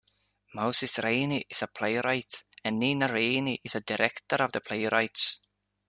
Moses Raine is a playwright and Nina Raine a director and playwright.